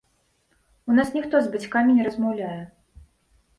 У нас ніхто з бацькамі не размаўляе.